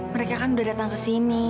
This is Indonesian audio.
mereka kan udah datang kesini